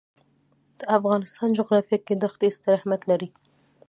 د افغانستان جغرافیه کې ښتې ستر اهمیت لري.